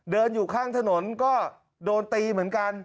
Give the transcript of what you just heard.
เดินอยู่ข้างถนนก็โดนตีเหมือนกัน